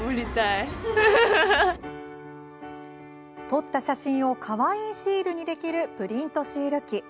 撮った写真をかわいいシールにできるプリントシール機。